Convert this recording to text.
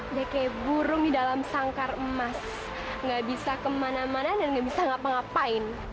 oke burung di dalam sangkar emas gak bisa kemana mana dan nggak bisa ngapa ngapain